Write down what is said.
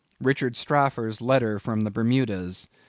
—_Richard Strafford's Letter from the Bermudas.